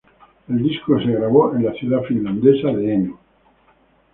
El disco se grabó en la ciudad finlandesa de Eno.